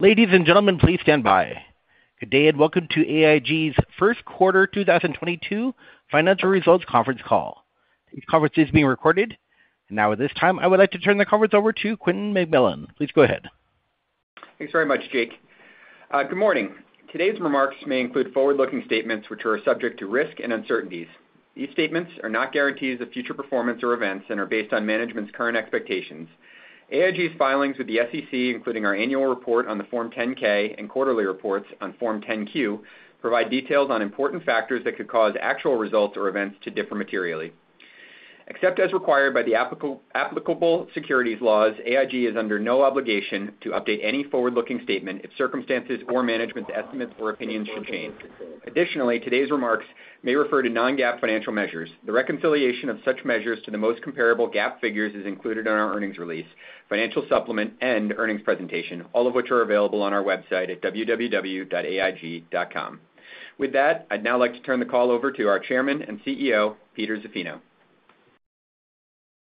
Ladies and gentlemen, please stand by. Good day, and welcome to AIG's first quarter 2022 financial results conference call. This conference is being recorded. Now, at this time, I would like to turn the conference over to Quentin McMillan. Please go ahead. Thanks very much, Jake. Good morning. Today's remarks may include forward-looking statements, which are subject to risk and uncertainties. These statements are not guarantees of future performance or events and are based on management's current expectations. AIG's filings with the SEC, including our annual report on Form 10-K and quarterly reports on Form 10-Q, provide details on important factors that could cause actual results or events to differ materially. Except as required by the applicable securities laws, AIG is under no obligation to update any forward-looking statement if circumstances or management's estimates or opinions change. Additionally, today's remarks may refer to non-GAAP financial measures. The reconciliation of such measures to the most comparable GAAP figures is included in our earnings release, financial supplement, and earnings presentation, all of which are available on our website at www.aig.com. With that, I'd now like to turn the call over to our Chairman and CEO, Peter Zaffino.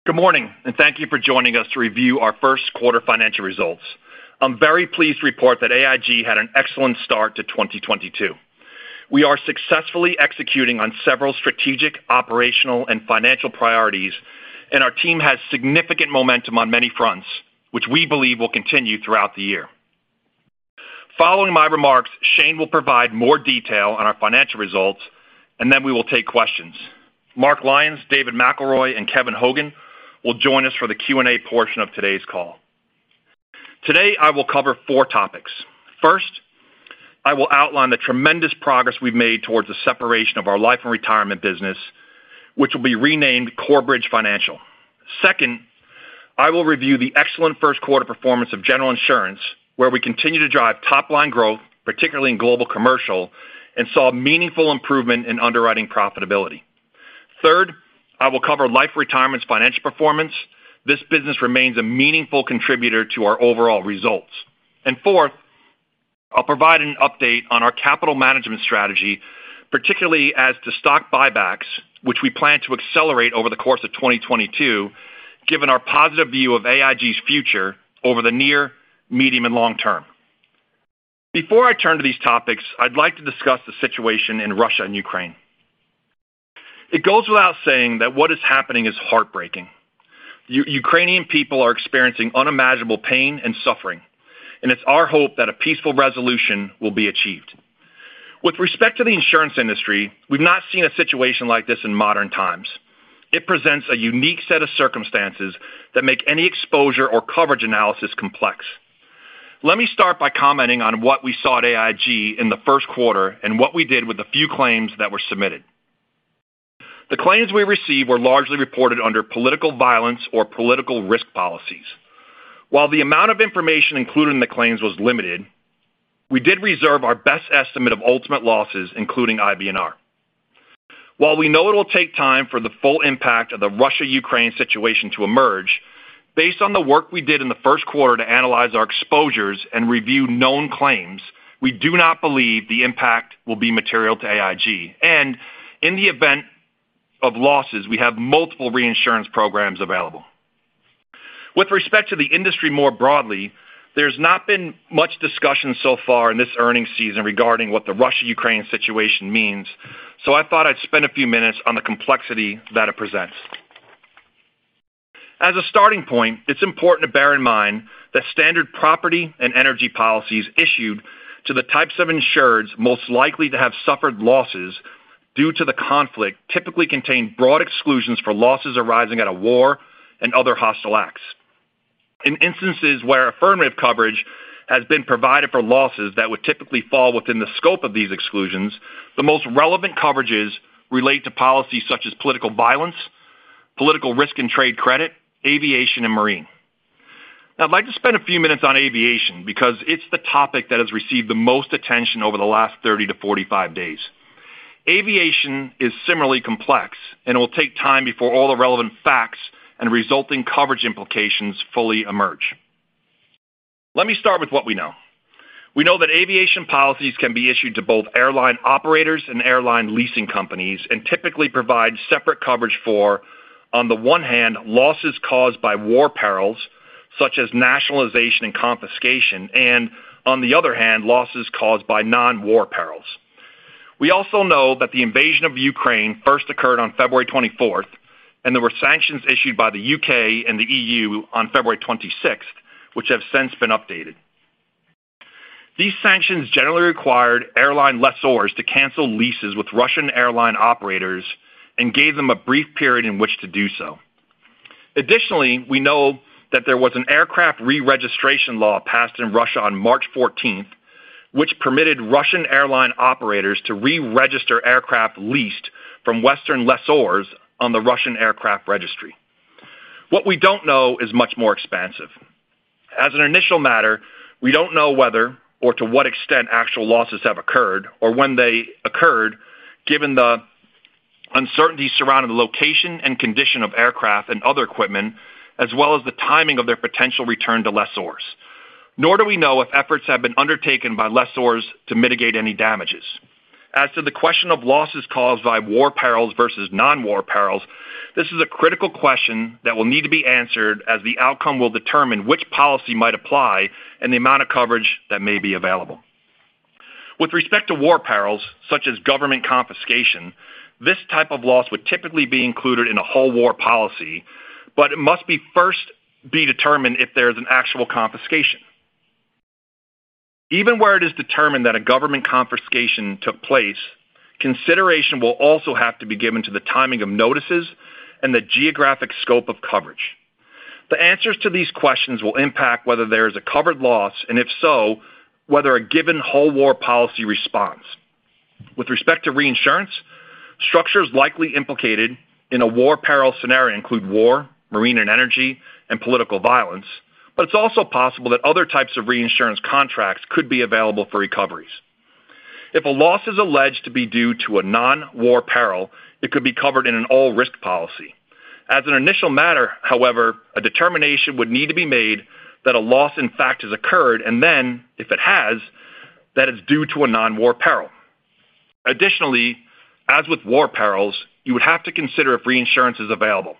Good morning, and thank you for joining us to review our first quarter financial results. I'm very pleased to report that AIG had an excellent start to 2022. We are successfully executing on several strategic, operational, and financial priorities, and our team has significant momentum on many fronts, which we believe will continue throughout the year. Following my remarks, Shane will provide more detail on our financial results, and then we will take questions. Mark Lyons, David McElroy, and Kevin Hogan will join us for the Q&A portion of today's call. Today, I will cover four topics. First, I will outline the tremendous progress we've made towards the separation of our life and retirement business, which will be renamed Corebridge Financial. Second, I will review the excellent first quarter performance of General Insurance, where we continue to drive top-line growth, particularly in Global Commercial and saw a meaningful improvement in underwriting profitability. Third, I will cover Life & Retirement's financial performance. This business remains a meaningful contributor to our overall results. Fourth, I'll provide an update on our capital management strategy, particularly as to stock buybacks, which we plan to accelerate over the course of 2022, given our positive view of AIG's future over the near, medium, and long term. Before I turn to these topics, I'd like to discuss the situation in Russia and Ukraine. It goes without saying that what is happening is heartbreaking. Ukrainian people are experiencing unimaginable pain and suffering, and it's our hope that a peaceful resolution will be achieved. With respect to the insurance industry, we've not seen a situation like this in modern times. It presents a unique set of circumstances that make any exposure or coverage analysis complex. Let me start by commenting on what we saw at AIG in the first quarter and what we did with the few claims that were submitted. The claims we received were largely reported under Political Violence or Political Risk policies. While the amount of information included in the claims was limited, we did reserve our best estimate of ultimate losses, including IBNR. While we know it'll take time for the full impact of the Russia-Ukraine situation to emerge, based on the work we did in the first quarter to analyze our exposures and review known claims, we do not believe the impact will be material to AIG. In the event of losses, we have multiple reinsurance programs available. With respect to the industry more broadly, there's not been much discussion so far in this earnings season regarding what the Russia-Ukraine situation means. I thought I'd spend a few minutes on the complexity that it presents. As a starting point, it's important to bear in mind that standard property and energy policies issued to the types of insureds most likely to have suffered losses due to the conflict typically contain broad exclusions for losses arising out of war and other hostile acts. In instances where affirmative coverage has been provided for losses that would typically fall within the scope of these exclusions, the most relevant coverages relate to policies such as political violence, political risk and trade credit, aviation, and marine. Now I'd like to spend a few minutes on aviation because it's the topic that has received the most attention over the last 30-45 days. Aviation is similarly complex and will take time before all the relevant facts and resulting coverage implications fully emerge. Let me start with what we know. We know that aviation policies can be issued to both airline operators and airline leasing companies and typically provide separate coverage for, on the one hand, losses caused by war perils such as nationalization and confiscation, and on the other hand, losses caused by non-war perils. We also know that the invasion of Ukraine first occurred on February 24th, and there were sanctions issued by the U.K. and the E.U. on February 26th, which have since been updated. These sanctions generally required airline lessors to cancel leases with Russian airline operators and gave them a brief period in which to do so. Additionally, we know that there was an aircraft re-registration law passed in Russia on March fourteenth, which permitted Russian airline operators to re-register aircraft leased from Western lessors on the Russian aircraft registry. What we don't know is much more expansive. As an initial matter, we don't know whether or to what extent actual losses have occurred or when they occurred, given the uncertainty surrounding the location and condition of aircraft and other equipment, as well as the timing of their potential return to lessors. Nor do we know if efforts have been undertaken by lessors to mitigate any damages. As to the question of losses caused by war perils versus non-war perils, this is a critical question that will need to be answered as the outcome will determine which policy might apply and the amount of coverage that may be available. With respect to war perils, such as government confiscation, this type of loss would typically be included in a whole war policy, but it must first be determined if there is an actual confiscation. Even where it is determined that a government confiscation took place, consideration will also have to be given to the timing of notices and the geographic scope of coverage. The answers to these questions will impact whether there is a covered loss, and if so, whether a given whole war policy responds. With respect to reinsurance, structures likely implicated in a war peril scenario include war, marine and energy, and Political Violence. But it's also possible that other types of reinsurance contracts could be available for recoveries. If a loss is alleged to be due to a non-war peril, it could be covered in an all-risk policy. As an initial matter, however, a determination would need to be made that a loss, in fact, has occurred, and then if it has, that it's due to a non-war peril. Additionally, as with war perils, you would have to consider if reinsurance is available.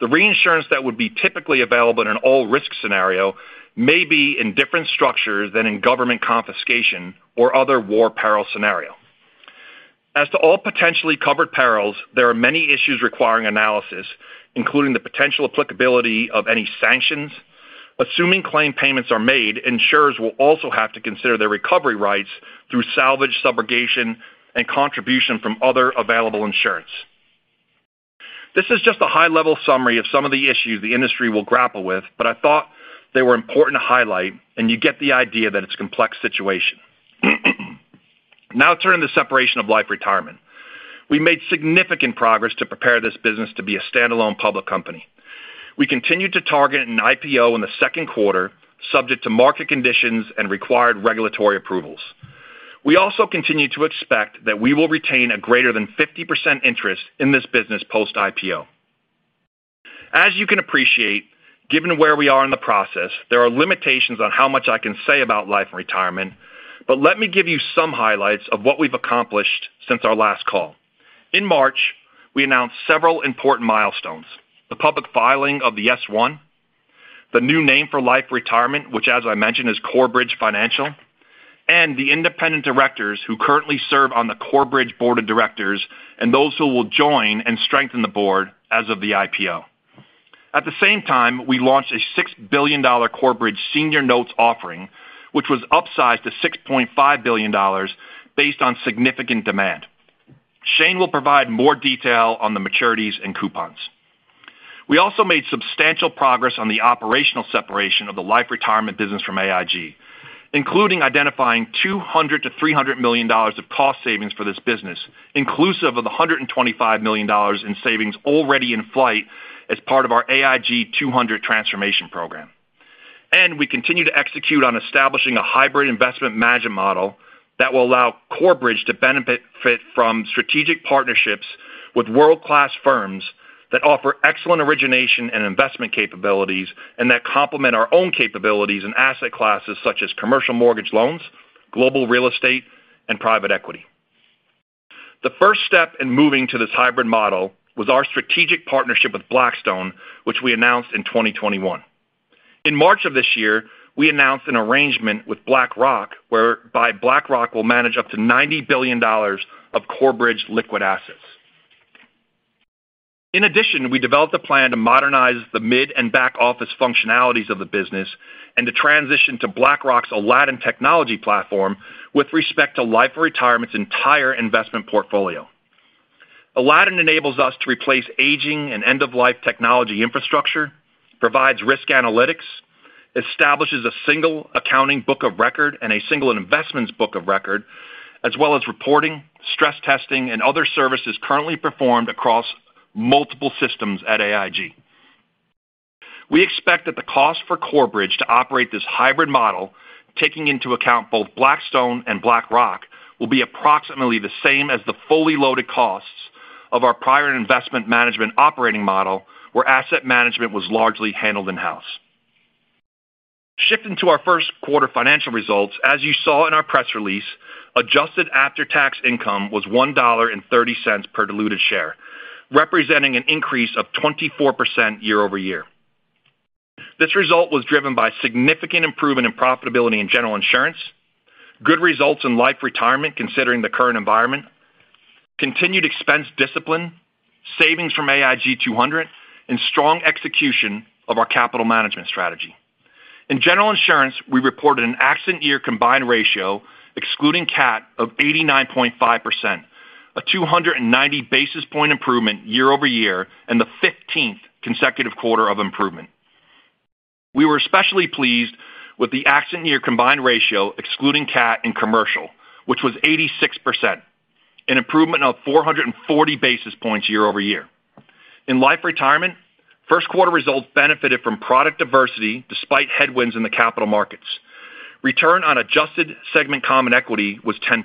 The reinsurance that would be typically available in an all-risk scenario may be in different structures than in government confiscation or other war peril scenario. As to all potentially covered perils, there are many issues requiring analysis, including the potential applicability of any sanctions. Assuming claim payments are made, insurers will also have to consider their recovery rights through salvage, subrogation, and contribution from other available insurance. This is just a high-level summary of some of the issues the industry will grapple with, but I thought they were important to highlight and you get the idea that it's a complex situation. Now turning to separation of Life & Retirement. We made significant progress to prepare this business to be a standalone public company. We continue to target an IPO in the second quarter, subject to market conditions and required regulatory approvals. We also continue to expect that we will retain a greater than 50% interest in this business post-IPO. As you can appreciate, given where we are in the process, there are limitations on how much I can say about Life & Retirement, but let me give you some highlights of what we've accomplished since our last call. In March, we announced several important milestones, the public filing of the S-1, the new name for Life & Retirement, which as I mentioned, is Corebridge Financial, and the independent directors who currently serve on the Corebridge board of directors and those who will join and strengthen the board as of the IPO. At the same time, we launched a $6 billion Corebridge senior notes offering, which was upsized to $6.5 billion based on significant demand. Shane will provide more detail on the maturities and coupons. We also made substantial progress on the operational separation of the Life & Retirement business from AIG, including identifying $200 million-$300 million of cost savings for this business, inclusive of the $125 million in savings already in flight as part of our AIG 200 transformation program. We continue to execute on establishing a hybrid investment management model that will allow Corebridge to benefit from strategic partnerships with world-class firms that offer excellent origination and investment capabilities and that complement our own capabilities in asset classes such as commercial mortgage loans, global real estate, and private equity. The first step in moving to this hybrid model was our strategic partnership with Blackstone, which we announced in 2021. In March of this year, we announced an arrangement with BlackRock, whereby BlackRock will manage up to $90 billion of Corebridge liquid assets. In addition, we developed a plan to modernize the mid and back-office functionalities of the business and to transition to BlackRock's Aladdin technology platform with respect to Life & Retirement's entire investment portfolio. Aladdin enables us to replace aging and end-of-life technology infrastructure, provides risk analytics, establishes a single accounting book of record and a single investments book of record, as well as reporting, stress testing, and other services currently performed across multiple systems at AIG. We expect that the cost for Corebridge to operate this hybrid model, taking into account both Blackstone and BlackRock, will be approximately the same as the fully loaded costs of our prior investment management operating model, where asset management was largely handled in-house. Shifting to our first quarter financial results, as you saw in our press release, adjusted after-tax income was $1.30 per diluted share, representing an increase of 24% year-over-year. This result was driven by significant improvement in profitability in General Insurance, good results in Life & Retirement, considering the current environment, continued expense discipline, savings from AIG 200, and strong execution of our capital management strategy. In General Insurance, we reported an accident year combined ratio excluding CAT of 89.5%, a 290 basis point improvement year-over-year and the 15th consecutive quarter of improvement. We were especially pleased with the accident year combined ratio excluding CAT in commercial, which was 86%, an improvement of 440 basis points year-over-year. In Life & Retirement, first quarter results benefited from product diversity despite headwinds in the capital markets. Return on adjusted segment common equity was 10%.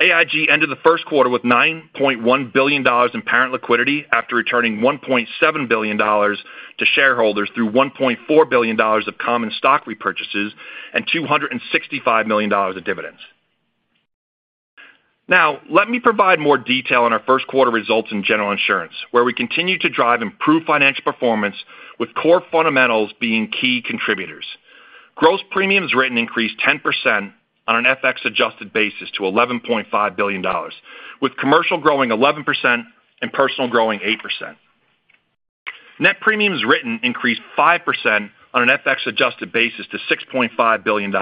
AIG ended the first quarter with $9.1 billion in parent liquidity after returning $1.7 billion to shareholders through $1.4 billion of common stock repurchases and $265 million of dividends. Now, let me provide more detail on our first quarter results in General Insurance, where we continue to drive improved financial performance with core fundamentals being key contributors. Gross premiums written increased 10% on an FX-adjusted basis to $11.5 billion, with commercial growing 11% and personal growing 8%. Net premiums written increased 5% on an FX-adjusted basis to $6.5 billion.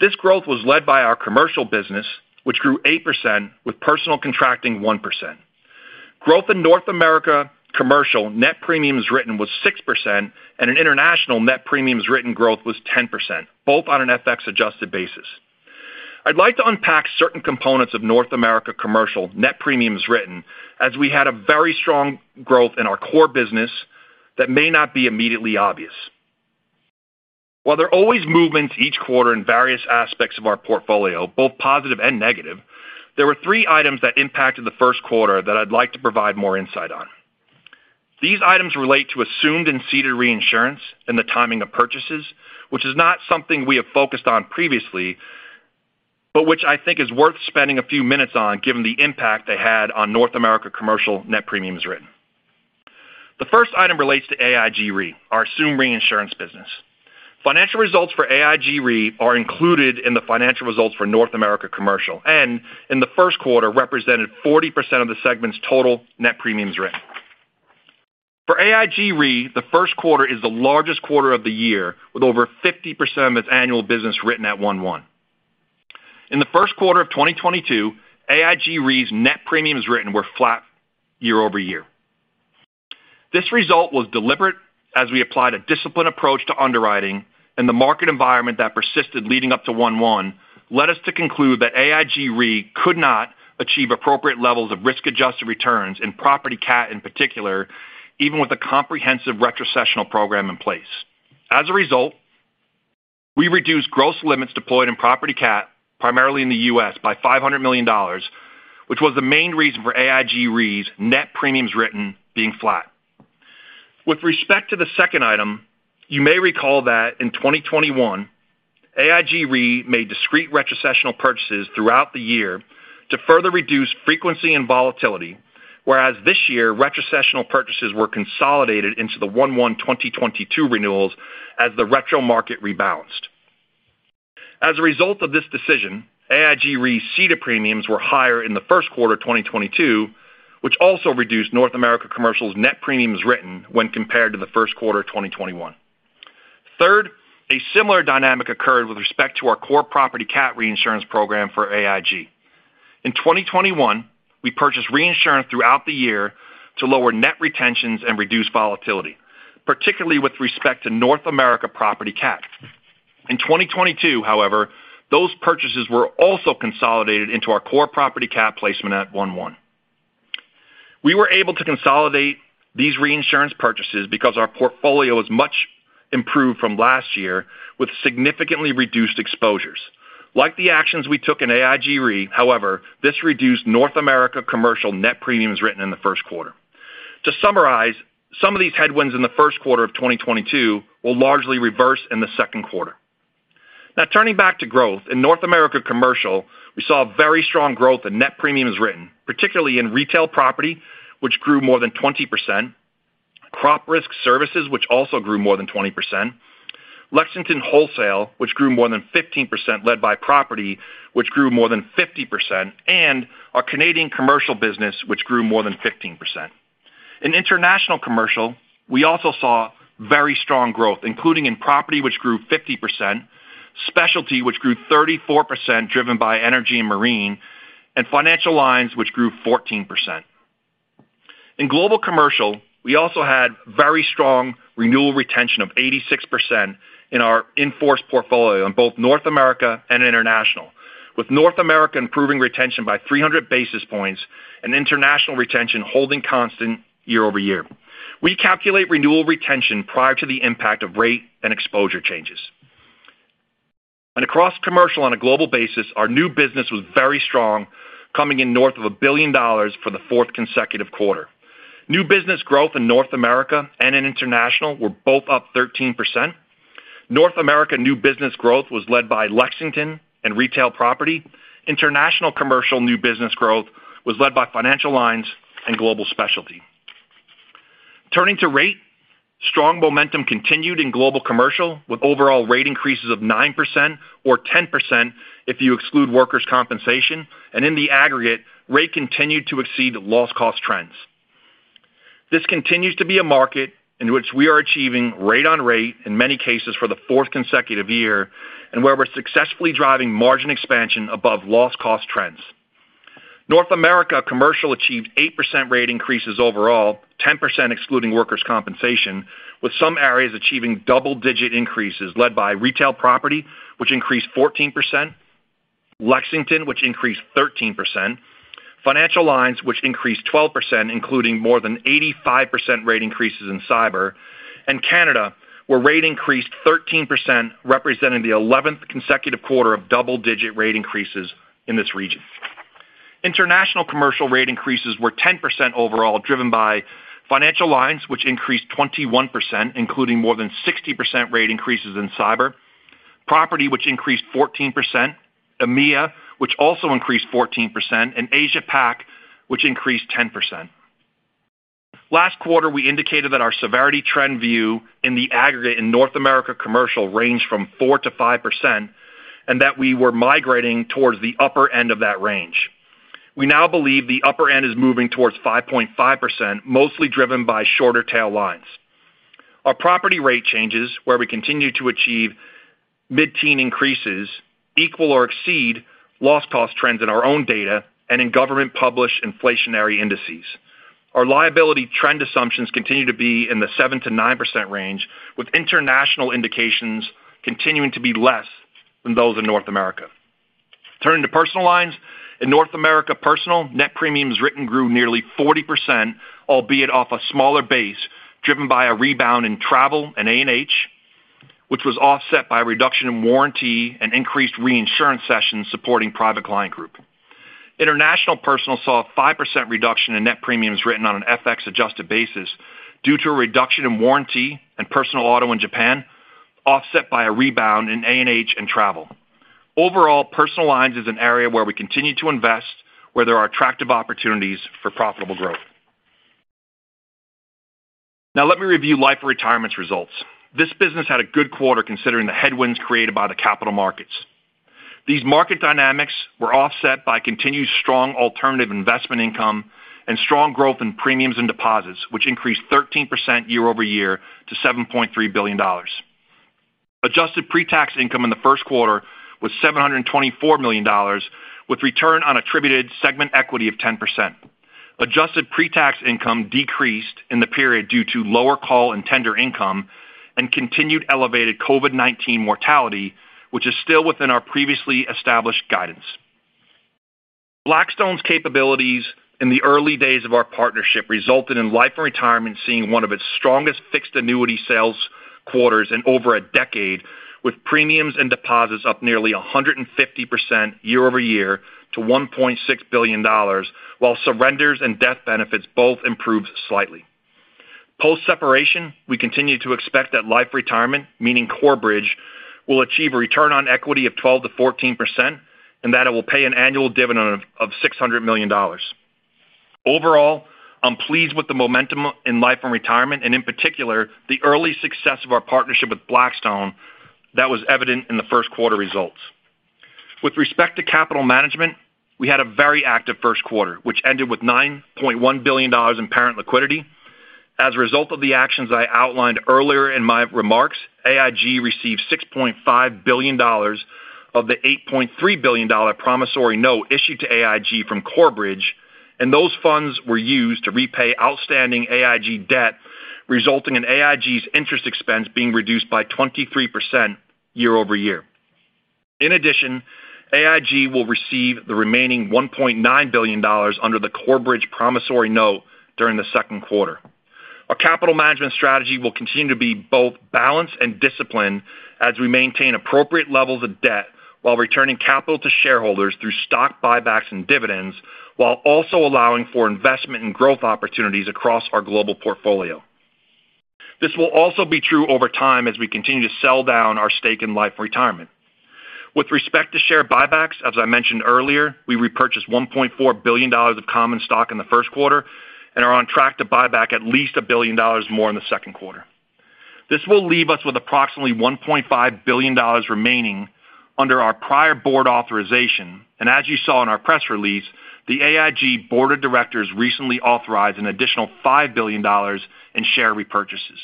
This growth was led by our commercial business, which grew 8% with personal contracting 1%. Growth in North America Commercial net premiums written was 6%, and in International, net premiums written growth was 10%, both on an FX-adjusted basis. I'd like to unpack certain components of North America Commercial net premiums written as we had a very strong growth in our core business that may not be immediately obvious. While there are always movement each quarter in various aspects of our portfolio, both positive and negative, there were three items that impacted the first quarter that I'd like to provide more insight on. These items relate to assumed and ceded reinsurance and the timing of purchases, which is not something we have focused on previously, but which I think is worth spending a few minutes on given the impact they had on North America Commercial net premiums written. The first item relates to AIG Re, our assumed reinsurance business. Financial results for AIG Re are included in the financial results for North America Commercial, and in the first quarter represented 40% of the segment's total net premiums written. For AIG Re, the first quarter is the largest quarter of the year, with over 50% of its annual business written at January 1. In the first quarter of 2022, AIG Re's net premiums written were flat year-over-year. This result was deliberate as we applied a disciplined approach to underwriting, and the market environment that persisted leading up to January 1, led us to conclude that AIG Re could not achieve appropriate levels of risk-adjusted returns in property cat in particular, even with a comprehensive retrocessional program in place. As a result, we reduced gross limits deployed in property cat, primarily in the U.S., by $500 million, which was the main reason for AIG Re's net premiums written being flat. With respect to the second item, you may recall that in 2021, AIG Re made discrete retrocessional purchases throughout the year to further reduce frequency and volatility, whereas this year, retrocessional purchases were consolidated into the January 1, 2022 renewals as the retro market rebalanced. As a result of this decision, AIG Re's ceded premiums were higher in the first quarter of 2022, which also reduced North America Commercial's net premiums written when compared to the first quarter of 2021. Third, a similar dynamic occurred with respect to our core property cat reinsurance program for AIG. In 2021, we purchased reinsurance throughout the year to lower net retentions and reduce volatility, particularly with respect to North America property cat. In 2022, however, those purchases were also consolidated into our core property cat placement at January 1. We were able to consolidate these reinsurance purchases because our portfolio is much improved from last year with significantly reduced exposures. Like the actions we took in AIG Re, however, this reduced North America Commercial's net premiums written in the first quarter. To summarize, some of these headwinds in the first quarter of 2022 will largely reverse in the second quarter. Now, turning back to growth. In North America Commercial, we saw a very strong growth in net premiums written, particularly in retail property, which grew more than 20%, Crop Risk Services, which also grew more than 20%, Lexington wholesale, which grew more than 15%, led by property, which grew more than 50%, and our Canadian commercial business, which grew more than 15%. In International Commercial, we also saw very strong growth, including in property, which grew 50%, specialty, which grew 34%, driven by energy and marine, and Financial Lines, which grew 14%. In Global Commercial, we also had very strong renewal retention of 86% in our in-force portfolio in both North America and International, with North America improving retention by 300 basis points and International retention holding constant year over year. We calculate renewal retention prior to the impact of rate and exposure changes. Across commercial on a global basis, our new business was very strong, coming in north of $1 billion for the fourth consecutive quarter. New business growth in North America and in International were both up 13%. North America new business growth was led by Lexington and retail property. International Commercial new business growth was led by Financial Lines and global specialty. Turning to rate, strong momentum continued in Global Commercial, with overall rate increases of 9% or 10% if you exclude workers' compensation. In the aggregate, rate continued to exceed loss cost trends. This continues to be a market in which we are achieving rate on rate in many cases for the fourth consecutive year, and where we're successfully driving margin expansion above loss cost trends. North America Commercial achieved 8% rate increases overall, 10% excluding workers' compensation, with some areas achieving double-digit increases led by retail property, which increased 14%, Lexington, which increased 13%. Financial lines, which increased 12%, including more than 85% rate increases in cyber and Canada, where rate increased 13%, representing the 11th consecutive quarter of double-digit rate increases in this region. International Commercial rate increases were 10% overall, driven by Financial Lines, which increased 21%, including more than 60% rate increases in cyber, property, which increased 14%, EMEA, which also increased 14%, and Asia PAC, which increased 10%. Last quarter, we indicated that our severity trend view in the aggregate in North America Commercial ranged from 4%-5% and that we were migrating towards the upper end of that range. We now believe the upper end is moving towards 5.5%, mostly driven by shorter tail lines. Our property rate changes, where we continue to achieve mid-teen increases, equal or exceed loss cost trends in our own data and in government-published inflationary indices. Our liability trend assumptions continue to be in the 7%-9% range, with international indications continuing to be less than those in North America. Turning to personal lines. In North America Personal, net premiums written grew nearly 40%, albeit off a smaller base, driven by a rebound in travel and A&H, which was offset by a reduction in warranty and increased reinsurance sessions supporting Private Client Group. International Personal saw a 5% reduction in net premiums written on an FX-adjusted basis due to a reduction in warranty and personal auto in Japan, offset by a rebound in A&H and travel. Overall, Personal Lines is an area where we continue to invest, where there are attractive opportunities for profitable growth. Now let me review Life & Retirement's results. This business had a good quarter, considering the headwinds created by the capital markets. These market dynamics were offset by continued strong alternative investment income and strong growth in premiums and deposits, which increased 13% year-over-year to $7.3 billion. Adjusted pre-tax income in the first quarter was $724 million, with return on attributed segment equity of 10%. Adjusted pre-tax income decreased in the period due to lower call and tender income and continued elevated COVID-19 mortality, which is still within our previously established guidance. Blackstone's capabilities in the early days of our partnership resulted in Life & Retirement seeing one of its strongest fixed annuity sales quarters in over a decade, with premiums and deposits up nearly 150% year-over-year to $1.6 billion, while surrenders and death benefits both improved slightly. Post-separation, we continue to expect that Life & Retirement, meaning Corebridge, will achieve a return on equity of 12%-14% and that it will pay an annual dividend of $600 million. Overall, I'm pleased with the momentum in Life & Retirement, and in particular, the early success of our partnership with Blackstone that was evident in the first quarter results. With respect to capital management, we had a very active first quarter, which ended with $9.1 billion in parent liquidity. As a result of the actions I outlined earlier in my remarks, AIG received $6.5 billion of the $8.3 billion promissory note issued to AIG from Corebridge, and those funds were used to repay outstanding AIG debt, resulting in AIG's interest expense being reduced by 23% year-over-year. In addition, AIG will receive the remaining $1.9 billion under the Corebridge promissory note during the second quarter. Our capital management strategy will continue to be both balanced and disciplined as we maintain appropriate levels of debt while returning capital to shareholders through stock buybacks and dividends, while also allowing for investment in growth opportunities across our global portfolio. This will also be true over time as we continue to sell down our stake in Life & Retirement. With respect to share buybacks, as I mentioned earlier, we repurchased $1.4 billion of common stock in the first quarter and are on track to buy back at least $1 billion more in the second quarter. This will leave us with approximately $1.5 billion remaining under our prior board authorization. As you saw in our press release, the AIG Board of Directors recently authorized an additional $5 billion in share repurchases.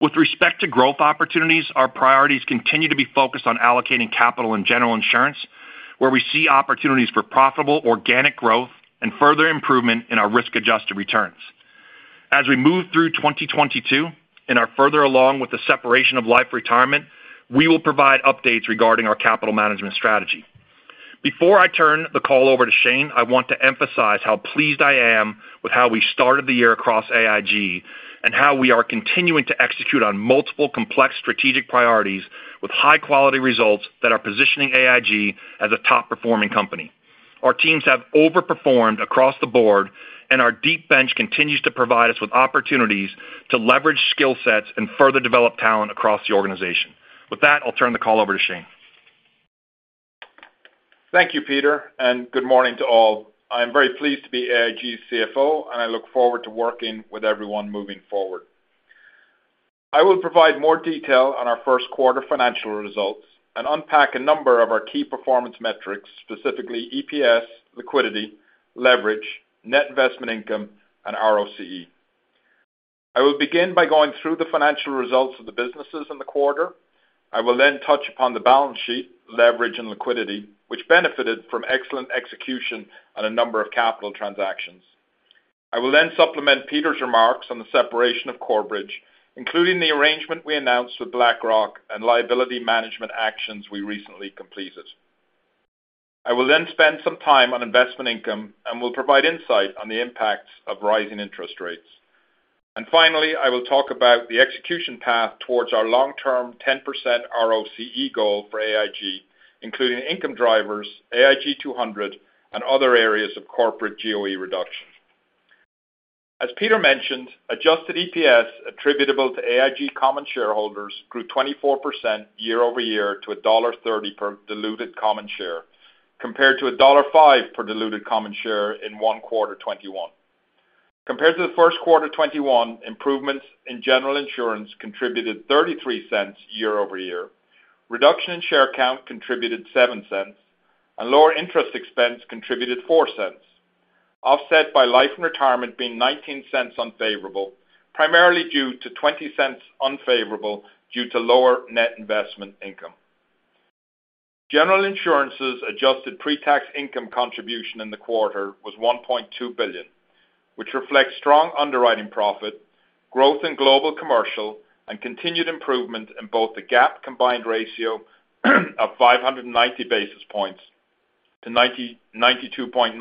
With respect to growth opportunities, our priorities continue to be focused on allocating capital in General Insurance, where we see opportunities for profitable organic growth and further improvement in our risk-adjusted returns. As we move through 2022 and are further along with the separation of Life & Retirement, we will provide updates regarding our capital management strategy. Before I turn the call over to Shane, I want to emphasize how pleased I am with how we started the year across AIG and how we are continuing to execute on multiple complex strategic priorities with high-quality results that are positioning AIG as a top-performing company. Our teams have overperformed across the board, and our deep bench continues to provide us with opportunities to leverage skill sets and further develop talent across the organization. With that, I'll turn the call over to Shane. Thank you, Peter, and good morning to all. I'm very pleased to be AIG's CFO, and I look forward to working with everyone moving forward. I will provide more detail on our first quarter financial results and unpack a number of our key performance metrics, specifically EPS, liquidity, leverage, net investment income, and ROCE. I will begin by going through the financial results of the businesses in the quarter. I will then touch upon the balance sheet, leverage and liquidity, which benefited from excellent execution on a number of capital transactions. I will then supplement Peter's remarks on the separation of Corebridge, including the arrangement we announced with BlackRock and liability management actions we recently completed. I will then spend some time on investment income and will provide insight on the impacts of rising interest rates. Finally, I will talk about the execution path towards our long-term 10% ROCE goal for AIG, including income drivers, AIG 200, and other areas of corporate GOE reduction. As Peter mentioned, adjusted EPS attributable to AIG common shareholders grew 24% year-over-year to $1.30 per diluted common share, compared to $1.05 per diluted common share in Q1 2021. Compared to the first quarter 2021, improvements in General Insurance contributed $0.33 year-over-year. Reduction in share count contributed $0.07, and lower interest expense contributed $0.04. Offset by Life & Retirement being $0.19 unfavorable, primarily due to $0.20 unfavorable due to lower net investment income. General Insurance's adjusted pre-tax income contribution in the quarter was $1.2 billion, which reflects strong underwriting profit, growth in Global Commercial, and continued improvement in both the GAAP combined ratio of 590 basis points to 92.9%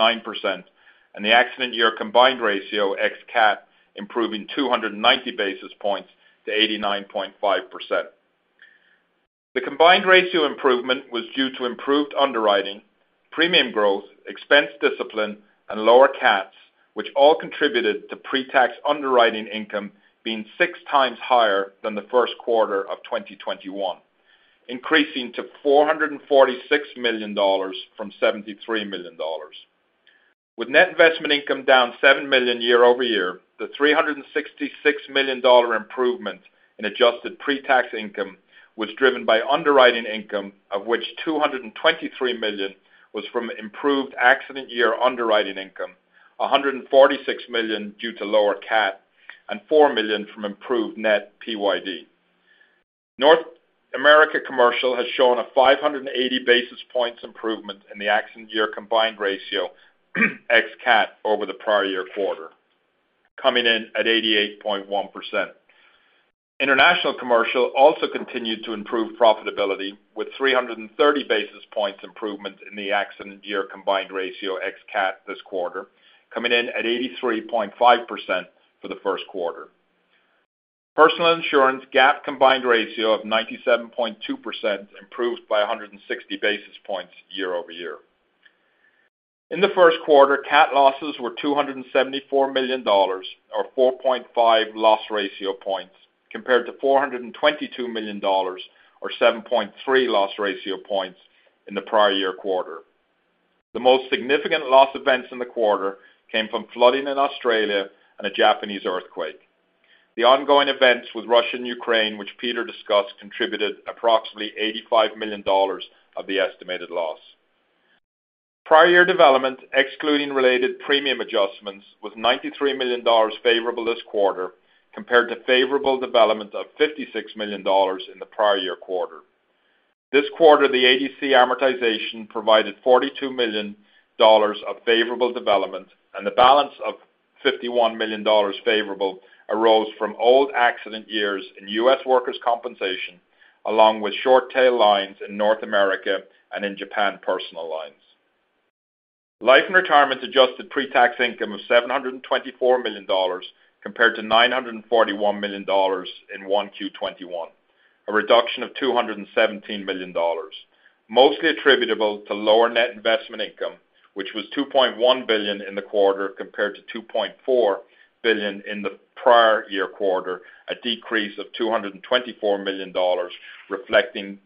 and the accident year combined ratio ex-CAT improving 290 basis points to 89.5%. The combined ratio improvement was due to improved underwriting, premium growth, expense discipline, and lower CATs, which all contributed to pre-tax underwriting income being six times higher than the first quarter of 2021, increasing to $446 million from $73 million. With net investment income down $7 million year-over-year, the $366 million improvement in adjusted pre-tax income was driven by underwriting income, of which $223 million was from improved accident year underwriting income, $146 million due to lower CAT, and $4 million from improved net PYD. North America Commercial has shown a 580 basis points improvement in the accident year combined ratio ex-CAT over the prior year quarter, coming in at 88.1%. International Commercial also continued to improve profitability with 330 basis points improvement in the accident year combined ratio ex-CAT this quarter, coming in at 83.5% for the first quarter. Personal insurance GAAP combined ratio of 97.2% improved by 160 basis points year-over-year. In the first quarter, CAT losses were $274 million or 4.5 loss ratio points compared to $422 million or 7.3 loss ratio points in the prior year quarter. The most significant loss events in the quarter came from flooding in Australia and a Japanese earthquake. The ongoing events with Russia and Ukraine, which Peter discussed, contributed approximately $85 million of the estimated loss. Prior year development, excluding related premium adjustments, was $93 million favorable this quarter compared to favorable development of $56 million in the prior year quarter. This quarter, the ADC amortization provided $42 million of favorable development, and the balance of $51 million favorable arose from old accident years in U.S. workers' compensation, along with short tail lines in North America and in Japan personal lines. Life & Retirement adjusted pre-tax income of $724 million compared to $941 million in Q1 2021, a reduction of $217 million, mostly attributable to lower net investment income, which was $2.1 billion in the quarter compared to $2.4 billion in the prior year quarter, a decrease of $224 million, reflecting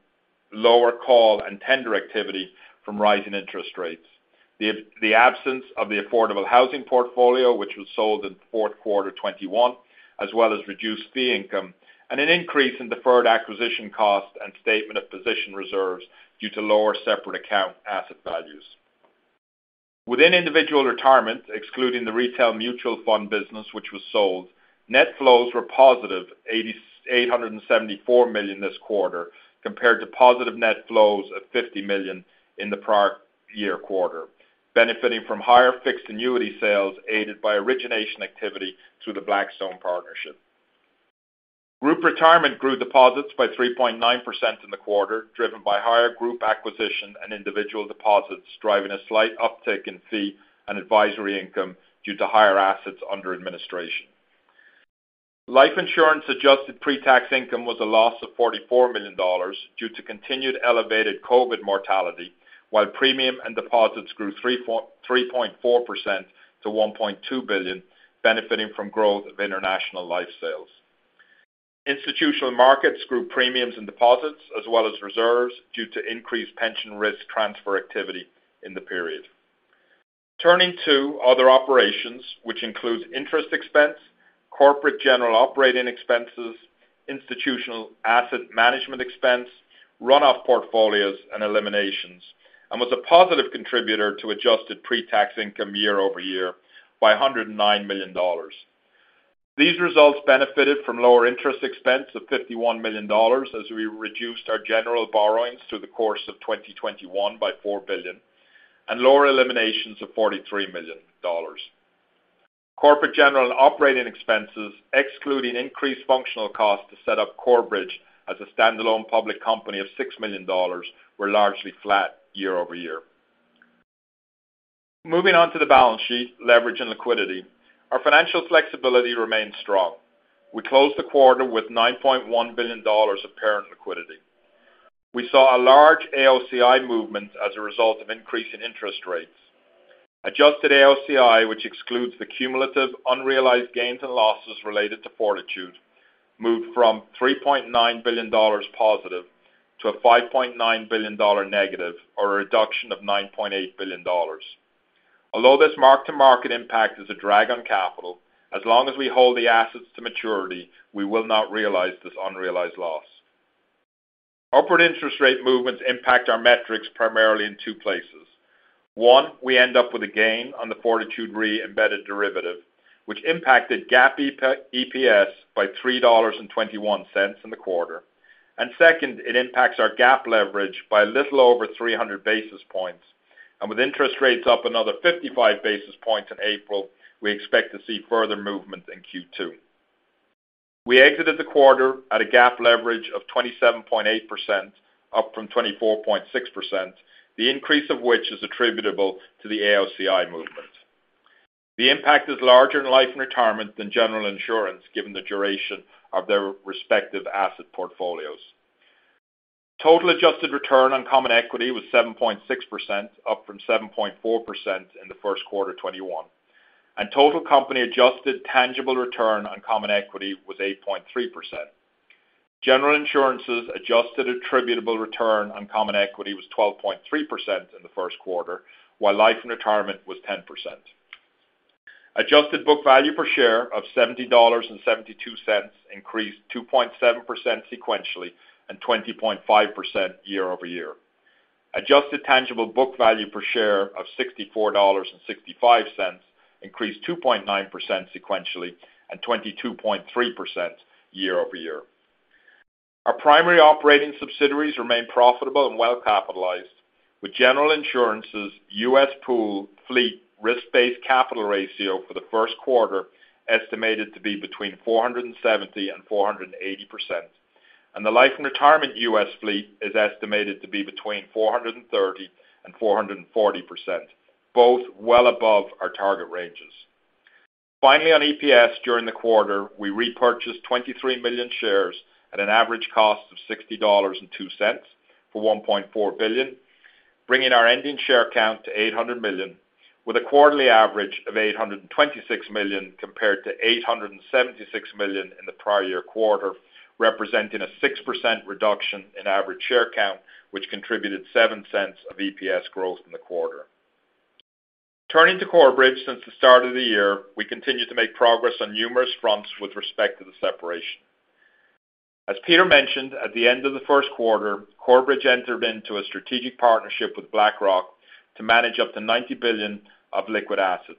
lower call and tender activity from rising interest rates. The absence of the affordable housing portfolio, which was sold in fourth quarter 2021, as well as reduced fee income and an increase in deferred acquisition costs and statement of position reserves due to lower separate account asset values. Within Individual Retirement, excluding the retail mutual fund business which was sold, net flows were positive $8,874 million this quarter compared to positive net flows of $50 million in the prior year quarter, benefiting from higher fixed annuity sales aided by origination activity through the Blackstone partnership. Group Retirement grew deposits by 3.9% in the quarter, driven by higher group acquisition and individual deposits, driving a slight uptick in fee and advisory income due to higher assets under administration. Life Insurance adjusted pre-tax income was a loss of $44 million due to continued elevated COVID mortality, while premium and deposits grew 3.4% to $1.2 billion, benefiting from growth of international life sales. Institutional Markets grew premiums and deposits as well as reserves due to increased pension risk transfer activity in the period. Turning to other operations, which includes interest expense, corporate general operating expenses, institutional asset management expense, run off portfolios and eliminations, and was a positive contributor to adjusted pre-tax income year-over-year by $109 million. These results benefited from lower interest expense of $51 million as we reduced our general borrowings through the course of 2021 by $4 billion and lower eliminations of $43 million. Corporate general and operating expenses, excluding increased functional costs to set up Corebridge as a standalone public company of $6 million were largely flat year-over-year. Moving on to the balance sheet, leverage and liquidity. Our financial flexibility remains strong. We closed the quarter with $9.1 billion of parent liquidity. We saw a large AOCI movement as a result of increase in interest rates. Adjusted AOCI, which excludes the cumulative unrealized gains and losses related to Fortitude, moved from $3.9 billion positive to a $5.9 billion negative or a reduction of $9.8 billion. Although this mark-to-market impact is a drag on capital, as long as we hold the assets to maturity, we will not realize this unrealized loss. Upward interest rate movements impact our metrics primarily in two places. One, we end up with a gain on the Fortitude re-embedded derivative, which impacted GAAP EPS by $3.21 in the quarter. Second, it impacts our GAAP leverage by a little over 300 basis points. With interest rates up another 55 basis points in April, we expect to see further movement in Q2. We exited the quarter at a GAAP leverage of 27.8%, up from 24.6%, the increase of which is attributable to the AOCI movement. The impact is larger in Life and Retirement than General Insurance, given the duration of their respective asset portfolios. Total adjusted return on common equity was 7.6%, up from 7.4% in the first quarter of 2021. Total company adjusted tangible return on common equity was 8.3%. General Insurance's adjusted attributable return on common equity was 12.3% in the first quarter, while Life and Retirement was 10%. Adjusted book value per share of $70.72 increased 2.7% sequentially and 20.5% year-over-year. Adjusted tangible book value per share of $64.65 increased 2.9% sequentially and 22.3% year-over-year. Our primary operating subsidiaries remain profitable and well-capitalized, with General Insurance's U.S. pool fleet Risk-Based Capital ratio for the first quarter estimated to be between 470% and 480%. Life & Retirement U.S. fleet is estimated to be between 430% and 440%, both well above our target ranges. Finally, on EPS during the quarter, we repurchased 23 million shares at an average cost of $60.02 for $1.4 billion, bringing our ending share count to 800 million with a quarterly average of 826 million, compared to 876 million in the prior year quarter, representing a 6% reduction in average share count, which contributed seven cents of EPS growth in the quarter. Turning to Corebridge since the start of the year, we continue to make progress on numerous fronts with respect to the separation. As Peter mentioned, at the end of the first quarter, Corebridge entered into a strategic partnership with BlackRock to manage up to $90 billion of liquid assets.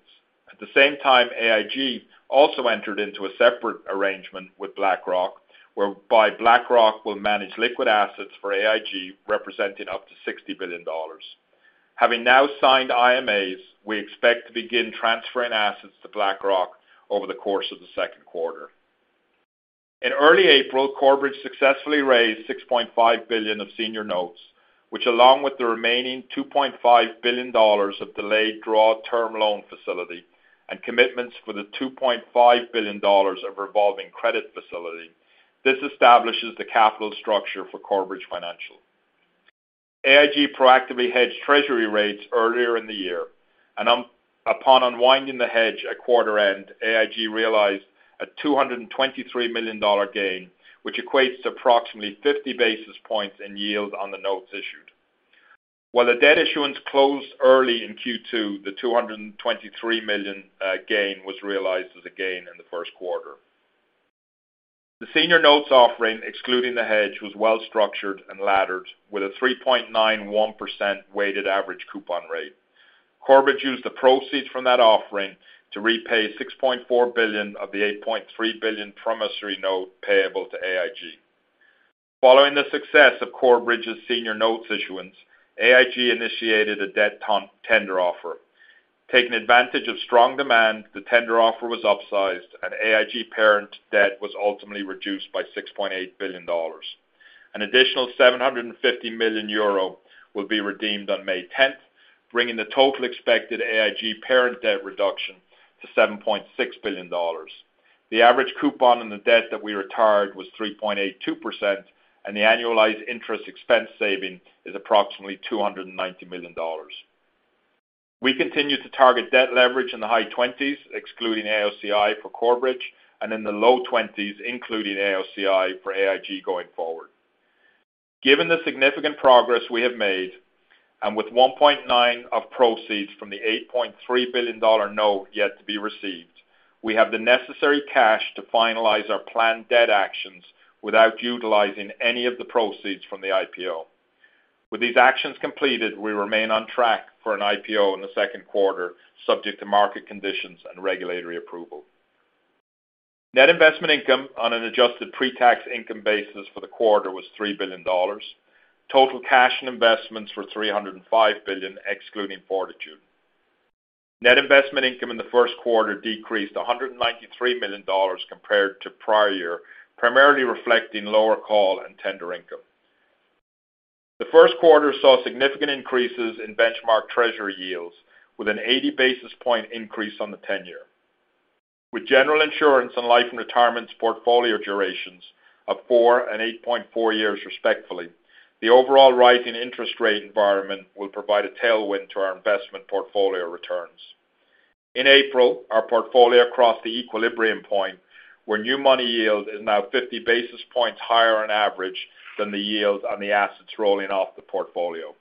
At the same time, AIG also entered into a separate arrangement with BlackRock, whereby BlackRock will manage liquid assets for AIG, representing up to $60 billion. Having now signed IMAs, we expect to begin transferring assets to BlackRock over the course of the second quarter. In early April, Corebridge successfully raised $6.5 billion of senior notes, which, along with the remaining $2.5 billion of delayed draw term loan facility and commitments for the $2.5 billion of revolving credit facility, this establishes the capital structure for Corebridge Financial. AIG proactively hedged Treasury rates earlier in the year, and upon unwinding the hedge at quarter end, AIG realized a $223 million gain, which equates to approximately 50 basis points in yield on the notes issued. While the debt issuance closed early in Q2, the $223 million gain was realized as a gain in the first quarter. The senior notes offering, excluding the hedge, was well-structured and laddered with a 3.91% weighted average coupon rate. Corebridge used the proceeds from that offering to repay $6.4 billion of the $8.3 billion promissory note payable to AIG. Following the success of Corebridge's senior notes issuance, AIG initiated a debt tender offer. Taking advantage of strong demand, the tender offer was upsized, and AIG parent debt was ultimately reduced by $6.8 billion. An additional 750 million euro will be redeemed on May 10th, bringing the total expected AIG parent debt reduction to $7.6 billion. The average coupon on the debt that we retired was 3.82%, and the annualized interest expense saving is approximately $290 million. We continue to target debt leverage in the high twenties, excluding AOCI for Corebridge, and in the low twenties, including AOCI for AIG going forward. Given the significant progress we have made, and with 1.9 billion of proceeds from the $8.3 billion note yet to be received, we have the necessary cash to finalize our planned debt actions without utilizing any of the proceeds from the IPO. With these actions completed, we remain on track for an IPO in the second quarter, subject to market conditions and regulatory approval. Net investment income on an adjusted pretax income basis for the quarter was $3 billion. Total cash and investments were $305 billion, excluding Fortitude. Net investment income in the first quarter decreased $193 million compared to prior year, primarily reflecting lower call and tender income. The first quarter saw significant increases in benchmark treasury yields with an 80 basis point increase on the 10-year. With General Insurance and Life & Retirement's portfolio durations of four and 8.4 years respectively, the overall rise in interest rate environment will provide a tailwind to our investment portfolio returns. In April, our portfolio crossed the equilibrium point where new money yield is now 50 basis points higher on average than the yield on the assets rolling off the portfolio.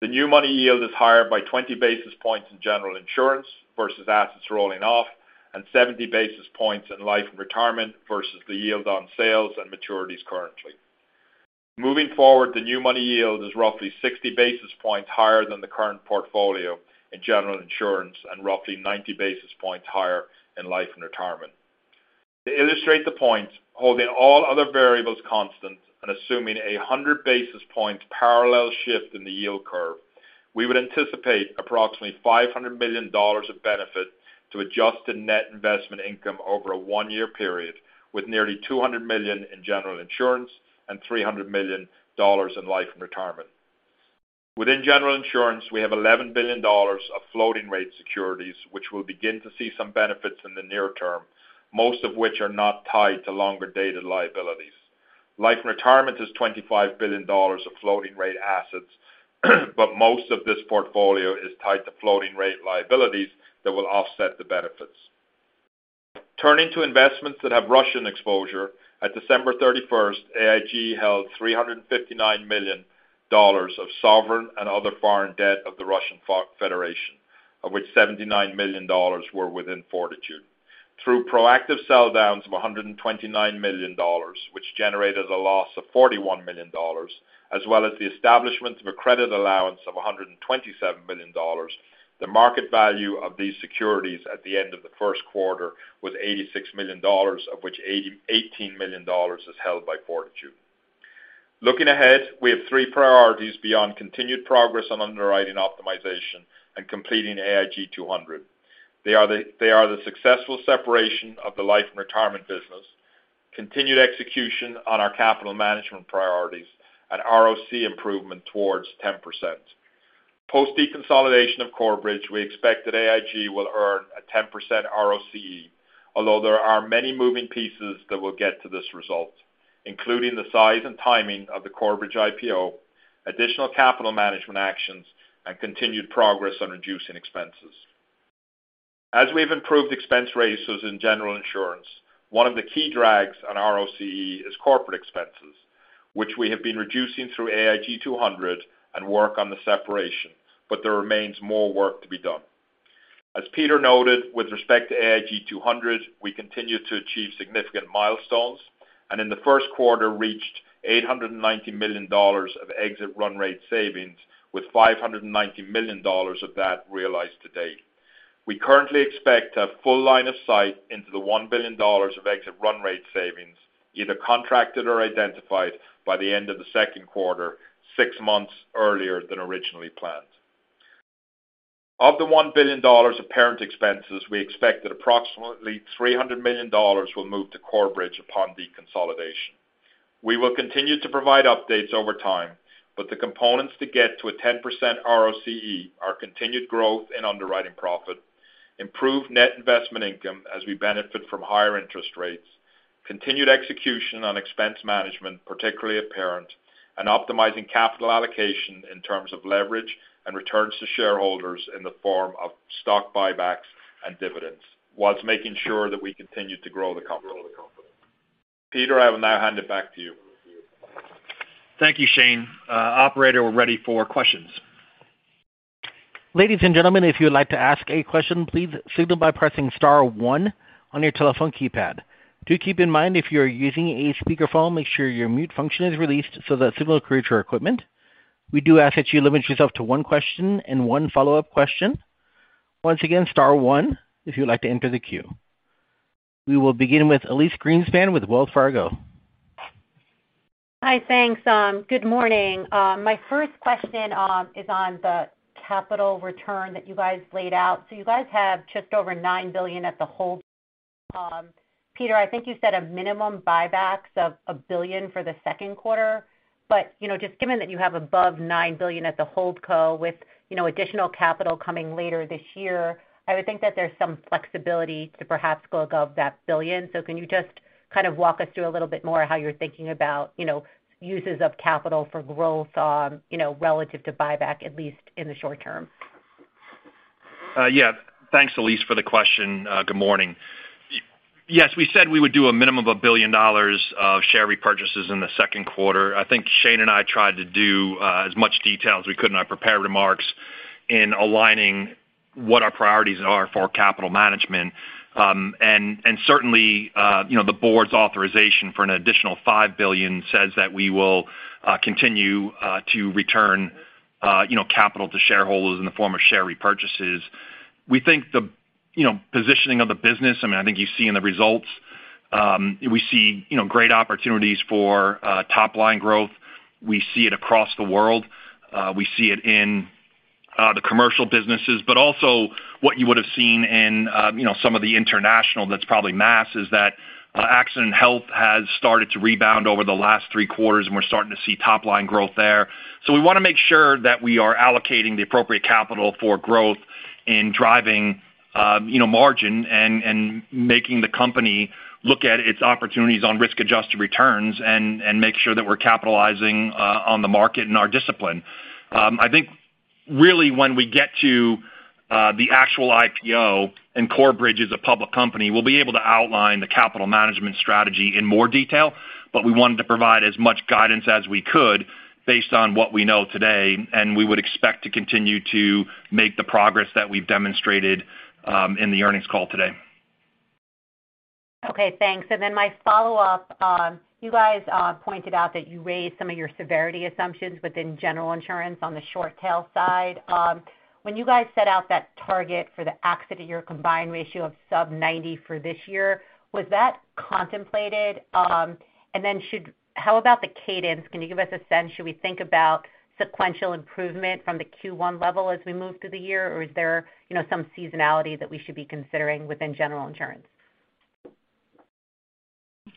The new money yield is higher by 20 basis points in General Insurance versus assets rolling off, and 70 basis points in Life & Retirement versus the yield on sales and maturities currently. Moving forward, the new money yield is roughly 60 basis points higher than the current portfolio in General Insurance and roughly 90 basis points higher in Life and Retirement. To illustrate the point, holding all other variables constant and assuming a 100 basis points parallel shift in the yield curve, we would anticipate approximately $500 million of benefit to adjusted net investment income over a one-year period, with nearly $200 million in General Insurance and $300 million in Life and Retirement. Within General Insurance, we have $11 billion of floating rate securities, which will begin to see some benefits in the near term, most of which are not tied to longer dated liabilities. Life and Retirement is $25 billion of floating rate assets, but most of this portfolio is tied to floating rate liabilities that will offset the benefits. Turning to investments that have Russian exposure, at December thirty-first, AIG held $359 million of sovereign and other foreign debt of the Russian Federation, of which $79 million were within Fortitude. Through proactive sell downs of $129 million, which generated a loss of $41 million, as well as the establishment of a credit allowance of $127 million, the market value of these securities at the end of the first quarter was $86 million, of which $18 million is held by Fortitude. Looking ahead, we have three priorities beyond continued progress on underwriting optimization and completing AIG 200. They are the successful separation of the life and retirement business, continued execution on our capital management priorities, and ROCE improvement towards 10%. Post deconsolidation of Corebridge, we expect that AIG will earn a 10% ROCE, although there are many moving pieces that will get to this result, including the size and timing of the Corebridge IPO, additional capital management actions, and continued progress on reducing expenses. As we've improved expense ratios in general insurance, one of the key drags on ROCE is corporate expenses, which we have been reducing through AIG 200 and work on the separation, but there remains more work to be done. As Peter noted with respect to AIG 200, we continue to achieve significant milestones, and in the first quarter reached $890 million of exit run rate savings with $590 million of that realized to date. We currently expect to have full line of sight into the $1 billion of exit run rate savings, either contracted or identified by the end of the second quarter, six months earlier than originally planned. Of the $1 billion of parent expenses, we expect that approximately $300 million will move to Corebridge upon deconsolidation. We will continue to provide updates over time, but the components to get to a 10% ROCE are continued growth in underwriting profit, improved net investment income as we benefit from higher interest rates, continued execution on expense management, particularly at parent, and optimizing capital allocation in terms of leverage and returns to shareholders in the form of stock buybacks and dividends whilst making sure that we continue to grow the company. Peter, I will now hand it back to you. Thank you, Shane. Operator, we're ready for questions. Ladies and gentlemen, if you would like to ask a question, please signal by pressing star one on your telephone keypad. Do keep in mind if you are using a speakerphone, make sure your mute function is released so that we can hear you. We do ask that you limit yourself to one question and one follow-up question. Once again, star one if you would like to enter the queue. We will begin with Elyse Greenspan with Wells Fargo. Hi. Thanks. Good morning. My first question is on the capital return that you guys laid out. You guys have just over $9 billion at the holdco. Peter, I think you said a minimum buybacks of $1 billion for the second quarter. You know, just given that you have above $9 billion at the holdco with, you know, additional capital coming later this year, I would think that there's some flexibility to perhaps go above that $1 billion. Can you just kind of walk us through a little bit more how you're thinking about, you know, uses of capital for growth, you know, relative to buyback, at least in the short term? Yeah. Thanks, Elyse, for the question. Good morning. Yes, we said we would do a minimum of $1 billion of share repurchases in the second quarter. I think Shane and I tried to do as much detail as we could in our prepared remarks. In aligning what our priorities are for capital management. Certainly, you know, the board's authorization for an additional $5 billion says that we will continue to return, you know, capital to shareholders in the form of share repurchases. We think the, you know, positioning of the business, I mean, I think you see in the results, we see, you know, great opportunities for top-line growth. We see it across the world. We see it in the commercial businesses, but also what you would have seen in, you know, some of the international that's probably A&H is that accident and health has started to rebound over the last three quarters, and we're starting to see top line growth there. We want to make sure that we are allocating the appropriate capital for growth and driving, you know, margin and making the company look at its opportunities on risk-adjusted returns and make sure that we're capitalizing on the market and our discipline. I think really when we get to the actual IPO and Corebridge as a public company, we'll be able to outline the capital management strategy in more detail, but we wanted to provide as much guidance as we could based on what we know today, and we would expect to continue to make the progress that we've demonstrated in the earnings call today. Okay, thanks. My follow-up, you guys pointed out that you raised some of your severity assumptions within General Insurance on the short tail side. When you guys set out that target for the accident year combined ratio of sub 90% for this year, was that contemplated? How about the cadence? Can you give us a sense, should we think about sequential improvement from the Q1 level as we move through the year, or is there some seasonality that we should be considering within General Insurance?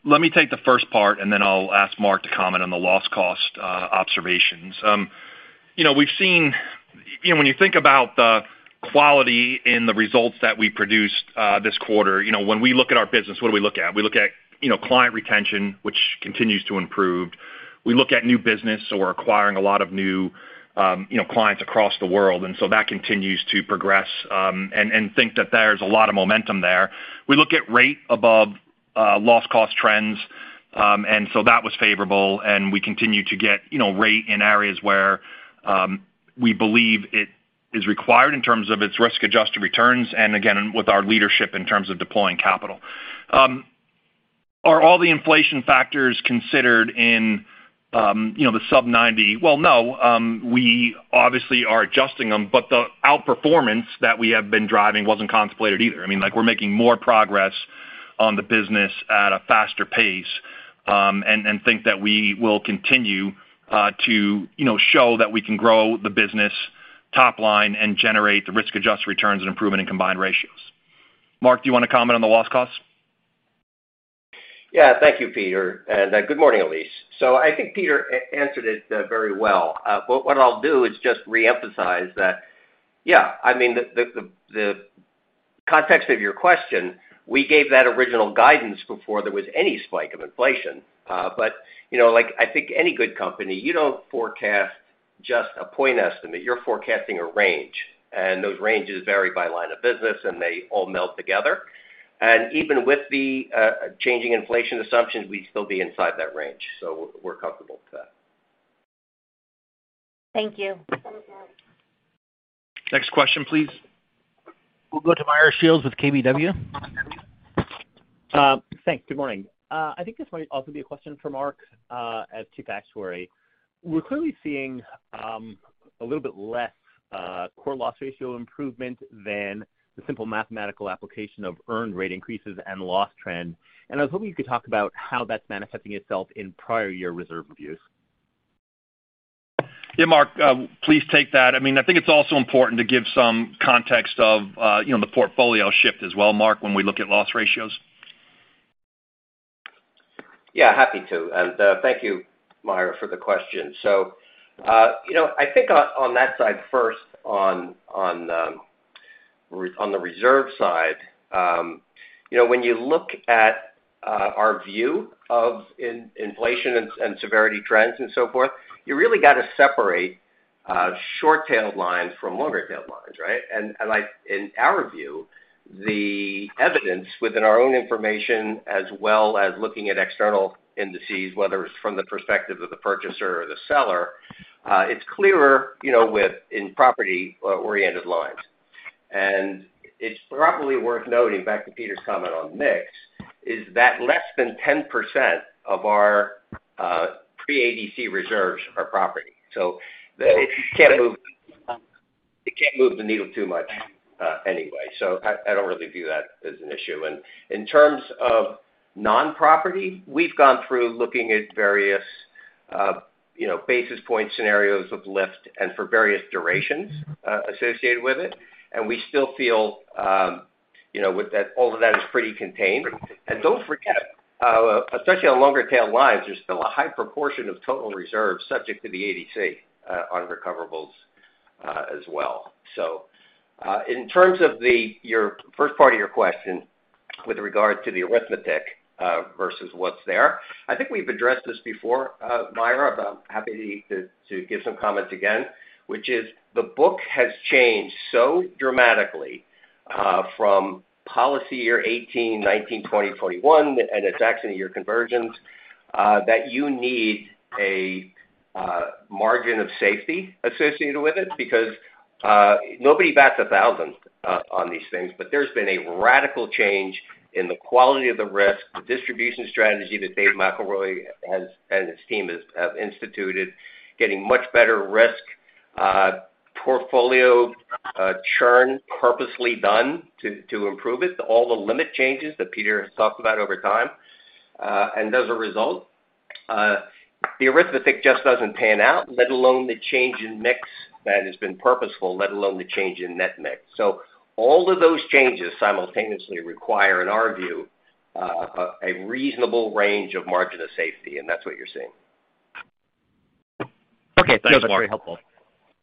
Let me take the first part, and then I'll ask Mark to comment on the loss cost observations. You know, we've seen, you know, when you think about the quality in the results that we produced this quarter, you know, when we look at our business, what do we look at? We look at, you know, client retention, which continues to improve. We look at new business, so we're acquiring a lot of new, you know, clients across the world. That continues to progress, and think that there's a lot of momentum there. We look at rate above loss cost trends, and that was favorable, and we continue to get, you know, rate in areas where we believe it is required in terms of its risk-adjusted returns, and again, with our leadership in terms of deploying capital. Are all the inflation factors considered in, you know, the sub 90? Well, no, we obviously are adjusting them, but the outperformance that we have been driving wasn't contemplated either. I mean, like, we're making more progress on the business at a faster pace, and think that we will continue to, you know, show that we can grow the business top line and generate the risk-adjusted returns and improvement in combined ratios. Mark, do you want to comment on the loss costs? Yeah. Thank you, Peter, and good morning, Elyse. I think Peter answered it very well. What I'll do is just reemphasize that, yeah, I mean the context of your question, we gave that original guidance before there was any spike of inflation. You know, like, I think any good company, you don't forecast just a point estimate. You're forecasting a range, and those ranges vary by line of business, and they all meld together. Even with the changing inflation assumptions, we'd still be inside that range, so we're comfortable with that. Thank you. Next question, please. We'll go to Meyer Shields with KBW. Thanks. Good morning. I think this might also be a question for Mark as to factors. We're clearly seeing a little bit less core loss ratio improvement than the simple mathematical application of earned rate increases and loss trend, and I was hoping you could talk about how that's manifesting itself in prior year reserve reviews. Mark, please take that. I mean, I think it's also important to give some context of, you know, the portfolio shift as well, Mark, when we look at loss ratios. Yeah, happy to. Thank you, Meyer Shields, for the question. You know, I think on that side first on the reserve side, you know, when you look at our view of inflation and severity trends and so forth, you really got to separate short-tailed lines from longer-tailed lines, right? Like in our view, the evidence within our own information as well as looking at external indices, whether it's from the perspective of the purchaser or the seller, it's clearer, you know, in property oriented lines. It's probably worth noting back to Peter Zaffino's comment on mix is that less than 10% of our pre-ADC reserves are property. It can't move the needle too much, anyway. I don't really view that as an issue. In terms of non-property, we've gone through looking at various, you know, basis point scenarios of lift and for various durations associated with it, and we still feel, you know, with that, all of that is pretty contained. Don't forget, especially on longer tail lines, there's still a high proportion of total reserves subject to the ADC on recoverables as well. In terms of your first part of your question with regard to the arithmetic versus what's there, I think we've addressed this before, Meyer, but I'm happy to give some comments again, which is the book has changed so dramatically from policy year 2018, 2019, 2020, 2021, and it's actually your conversions that you need a margin of safety associated with it because nobody backs 1,000 on these things, but there's been a radical change in the quality of the risk, the distribution strategy that Dave McElroy has and his team has have instituted, getting much better risk portfolio churn purposely done to improve it, all the limit changes that Peter has talked about over time. As a result, the arithmetic just doesn't pan out, let alone the change in mix that has been purposeful, let alone the change in net mix. All of those changes simultaneously require, in our view, a reasonable range of margin of safety, and that's what you're seeing. Okay. Yeah, Mark. That was very helpful.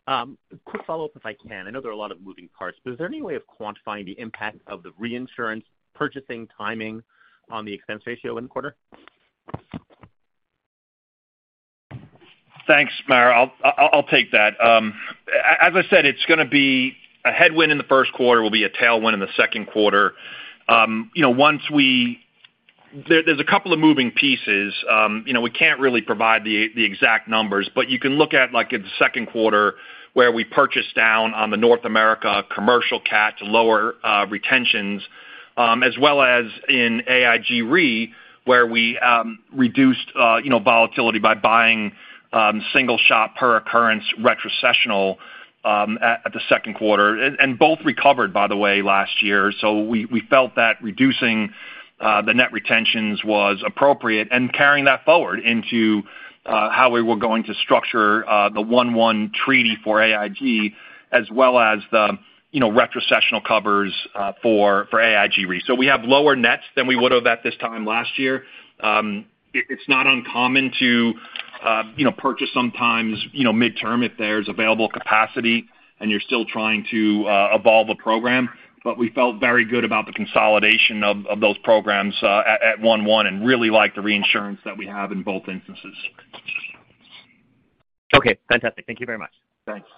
Quick follow-up, if I can. I know there are a lot of moving parts, but is there any way of quantifying the impact of the reinsurance purchasing timing on the expense ratio in the quarter? Thanks, Meyer. I'll take that. As I said, it's gonna be a headwind in the first quarter, will be a tailwind in the second quarter. You know, there's a couple of moving pieces. You know, we can't really provide the exact numbers, but you can look at, like in the second quarter where we purchased down on the North America Commercial CAT to lower retentions, as well as in AIG Re, where we reduced volatility by buying single shot per occurrence retrocessional at the second quarter. Both recovered, by the way, last year. We felt that reducing the net retentions was appropriate and carrying that forward into how we were going to structure the January 1 treaty for AIG, as well as the, you know, retrocessional covers for AIG Re. We have lower nets than we would have at this time last year. It's not uncommon to, you know, purchase sometimes, you know, mid-term if there's available capacity and you're still trying to evolve a program. We felt very good about the consolidation of those programs at January 1 and really like the reinsurance that we have in both instances. Okay. Fantastic. Thank you very much. Thanks.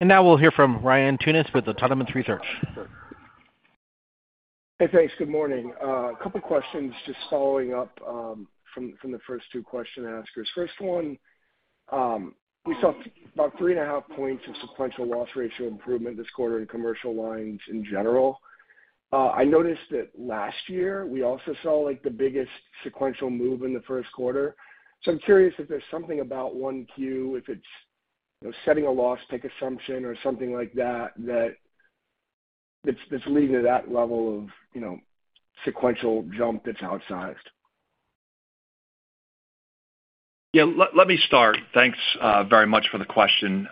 Now we'll hear from Ryan Tunis with the Autonomous Research. Hey, thanks. Good morning. A couple questions just following up from the first two question askers. First one, we saw about 3.5 points of sequential loss ratio improvement this quarter in commercial lines in general. I noticed that last year, we also saw, like, the biggest sequential move in the first quarter. I'm curious if there's something about Q1, if it's, you know, setting a loss pick assumption or something like that it's leading to that level of, you know, sequential jump that's outsized. Yeah. Let me start. Thanks very much for the question.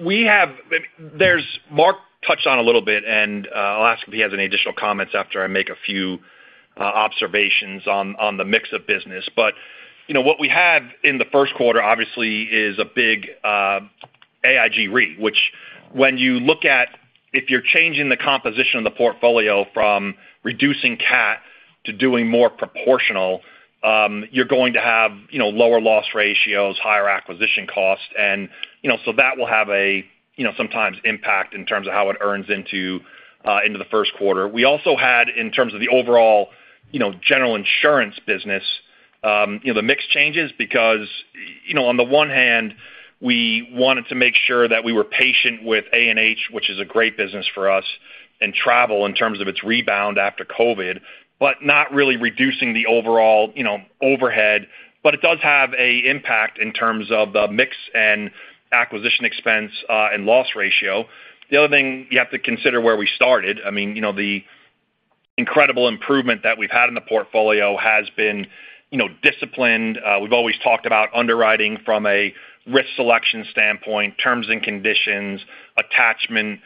Mark touched on a little bit, and I'll ask if he has any additional comments after I make a few observations on the mix of business. You know, what we had in the first quarter, obviously, is a big AIG Re, which when you look at if you're changing the composition of the portfolio from reducing CAT to doing more proportional, you're going to have, you know, lower loss ratios, higher acquisition costs, and, you know, so that will have a, you know, sometimes impact in terms of how it earns into the first quarter. We also had in terms of the overall, you know, general insurance business, you know, the mix changes because, you know, on the one hand, we wanted to make sure that we were patient with A&H, which is a great business for us, and travel in terms of its rebound after COVID, but not really reducing the overall, you know, overhead. It does have an impact in terms of the mix and acquisition expense, and loss ratio. The other thing, you have to consider where we started. I mean, you know, the incredible improvement that we've had in the portfolio has been, you know, disciplined. We've always talked about underwriting from a risk selection standpoint, terms and conditions, attachment,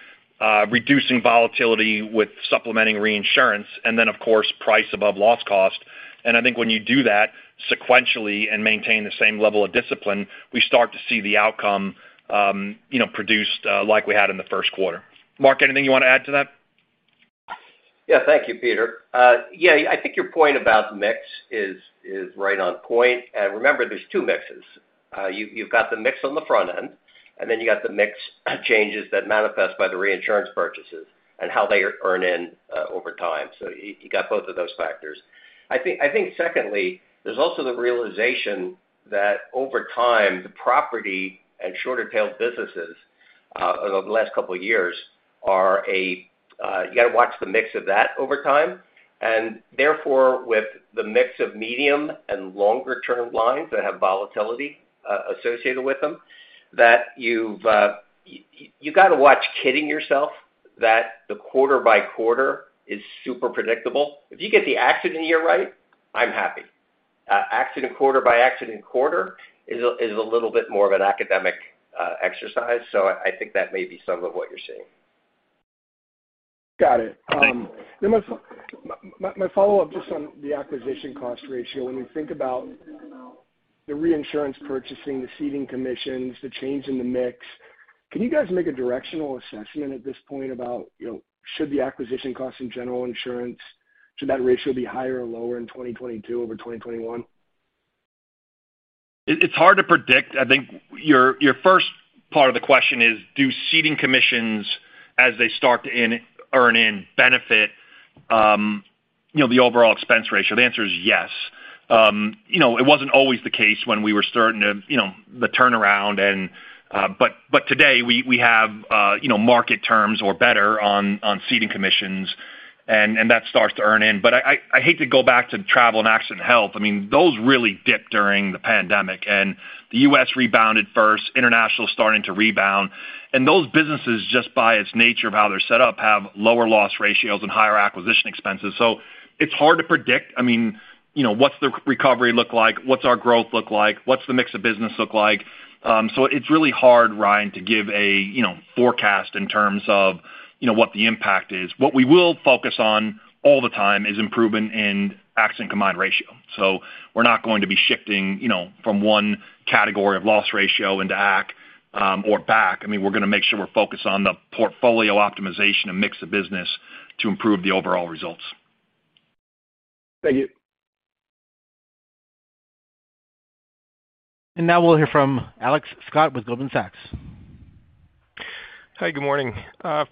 reducing volatility with supplementing reinsurance, and then, of course, price above loss cost. I think when you do that sequentially and maintain the same level of discipline, we start to see the outcome, you know, produced, like we had in the first quarter. Mark, anything you want to add to that? Yeah. Thank you, Peter. I think your point about mix is right on point. Remember, there's two mixes. You've got the mix on the front end, and then you got the mix changes that manifest by the reinsurance purchases and how they earn in over time. You got both of those factors. I think secondly, there's also the realization that over time, the property and shorter tail businesses over the last couple of years, you got to watch the mix of that over time. Therefore, with the mix of medium and longer term lines that have volatility associated with them, you've got to watch kidding yourself that the quarter by quarter is super predictable. If you get the accident year right, I'm happy. Accident quarter by accident quarter is a little bit more of an academic exercise. I think that may be some of what you're seeing. Got it. Thanks. My follow-up just on the acquisition cost ratio. When we think about the reinsurance purchasing, the ceding commissions, the change in the mix, can you guys make a directional assessment at this point about, you know, should the acquisition costs in General Insurance, should that ratio be higher or lower in 2022 over 2021? It's hard to predict. I think your first part of the question is, do ceding commissions as they start to earn in benefit the overall expense ratio? The answer is yes. It wasn't always the case when we were starting the turnaround. Today we have market terms or better on ceding commissions and that starts to earn in. I hate to go back to travel and accident & health. I mean, those really dipped during the pandemic, and the U.S. rebounded first, international is starting to rebound. Those businesses, just by its nature of how they're set up, have lower loss ratios and higher acquisition expenses. It's hard to predict. I mean, you know, what's the recovery look like? What's our growth look like? What's the mix of business look like? It's really hard, Ryan, to give a, you know, forecast in terms of, you know, what the impact is. What we will focus on all the time is improvement in accident combined ratio. We're not going to be shifting, you know, from one category of loss ratio into AC, or back. I mean, we're gonna make sure we're focused on the portfolio optimization and mix of business to improve the overall results. Thank you. Now we'll hear from Alex Scott with Goldman Sachs. Hi, good morning.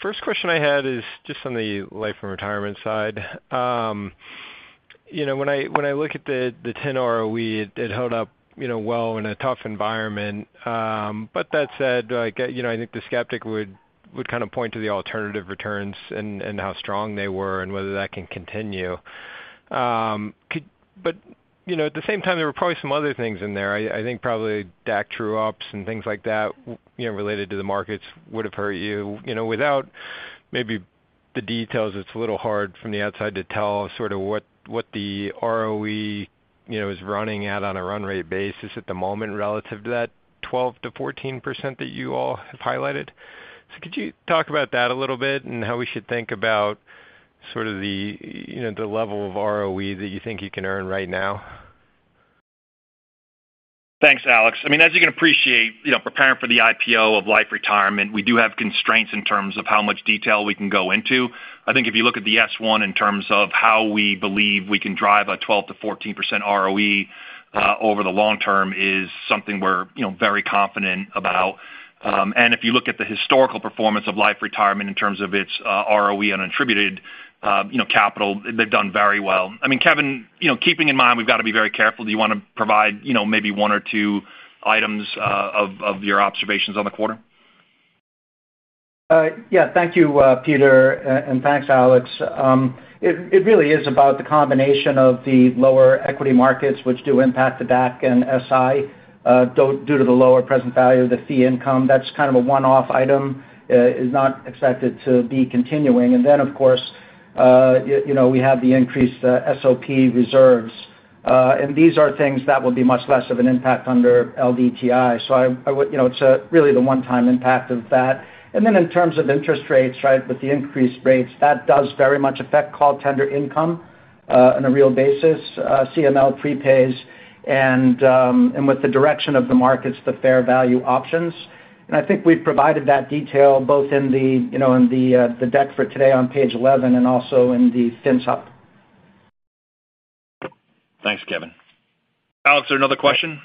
First question I had is just on the Life and Retirement side. You know, when I look at the 10 ROE, it held up, you know, well in a tough environment. That said, like, you know, I think the skeptic would kind of point to the alternative returns and how strong they were and whether that can continue. You know, at the same time, there were probably some other things in there. I think probably DAC true-ups and things like that, you know, related to the markets would have hurt you. You know, without maybe the details, it's a little hard from the outside to tell sort of what the ROE, you know, is running at on a run rate basis at the moment relative to that 12%-14% that you all have highlighted. Could you talk about that a little bit and how we should think about sort of the, you know, the level of ROE that you think you can earn right now? Thanks, Alex. I mean, as you can appreciate, you know, preparing for the IPO of Life & Retirement, we do have constraints in terms of how much detail we can go into. I think if you look at the S-1 in terms of how we believe we can drive a 12%-14% ROE over the long term is something we're, you know, very confident about. If you look at the historical performance of Life & Retirement in terms of its ROE and attributed you know capital, they've done very well. I mean, Kevin, you know, keeping in mind we've got to be very careful, do you wanna provide, you know, maybe one or two items of your observations on the quarter? Yeah. Thank you, Peter, and thanks, Alex. It really is about the combination of the lower equity markets which do impact the DAC and SI due to the lower present value of the fee income. That's kind of a one-off item, is not expected to be continuing. Then, of course, you know, we have the increased SOP reserves. These are things that will be much less of an impact under LDTI. You know, it's really the one-time impact of that. Then in terms of interest rates, right? With the increased rates, that does very much affect call tender income on a real basis. CML prepays and with the direction of the markets, the fair value options, and I think we've provided that detail both in the, you know, the deck for today on page 11 and also in the fin sup. Thanks, Kevin. Alex, another question?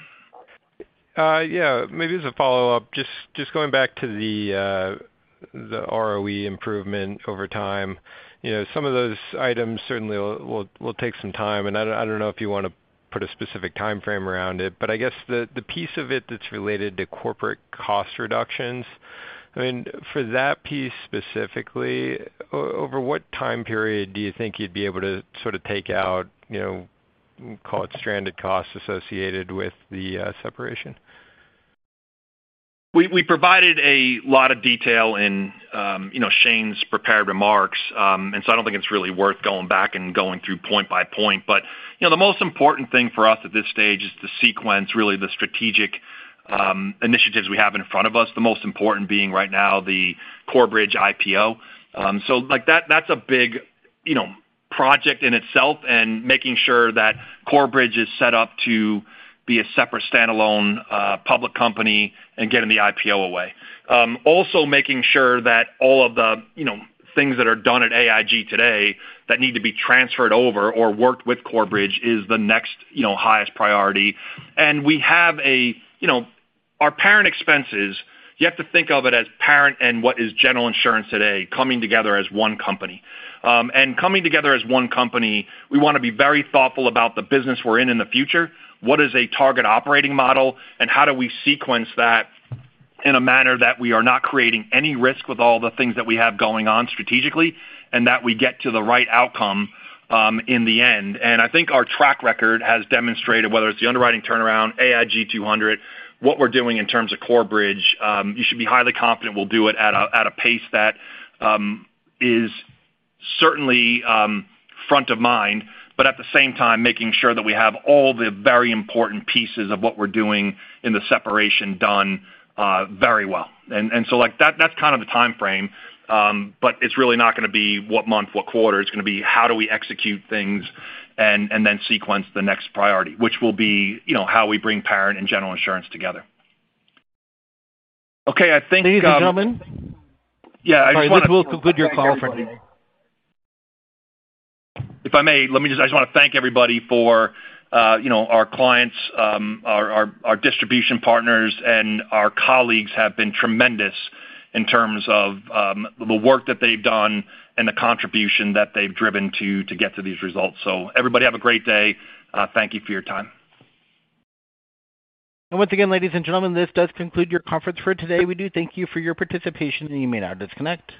Yeah. Maybe as a follow-up, just going back to the ROE improvement over time. You know, some of those items certainly will take some time, and I don't know if you wanna put a specific timeframe around it, but I guess the piece of it that's related to corporate cost reductions. I mean, for that piece specifically, over what time period do you think you'd be able to sort of take out, you know, call it stranded costs associated with the separation? We provided a lot of detail in, you know, Shane's prepared remarks. I don't think it's really worth going back and going through point by point. You know, the most important thing for us at this stage is to sequence really the strategic initiatives we have in front of us, the most important being right now the Corebridge IPO. That's a big, you know, project in itself and making sure that Corebridge is set up to be a separate standalone public company and getting the IPO away. Also making sure that all of the, you know, things that are done at AIG today that need to be transferred over or worked with Corebridge is the next, you know, highest priority. We have a. You know, our parent expenses, you have to think of it as parent and what is General Insurance today coming together as one company. Coming together as one company, we wanna be very thoughtful about the business we're in in the future, what is a target operating model, and how do we sequence that in a manner that we are not creating any risk with all the things that we have going on strategically and that we get to the right outcome, in the end. I think our track record has demonstrated, whether it's the underwriting turnaround, AIG 200, what we're doing in terms of Corebridge, you should be highly confident we'll do it at a pace that is certainly front of mind, but at the same time making sure that we have all the very important pieces of what we're doing in the separation done very well. And so, like, that's kind of the timeframe, but it's really not gonna be what month, what quarter. It's gonna be how do we execute things and then sequence the next priority, which will be, you know, how we bring parent and General Insurance together. Okay, I think. Ladies and gentlemen. Yeah, I mean. This will conclude your call for today. If I may, let me just I just wanna thank everybody for, you know, our clients, our distribution partners and our colleagues have been tremendous in terms of, the work that they've done and the contribution that they've driven to get to these results. Everybody have a great day. Thank you for your time. Once again, ladies and gentlemen, this does conclude your conference for today. We do thank you for your participation, and you may now disconnect.